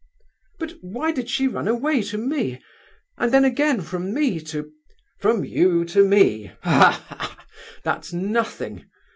"But why did she run away to me, and then again from me to—" "From you to me? Ha, ha! that's nothing!